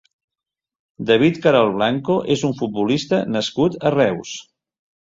David Querol Blanco és un futbolista nascut a Reus.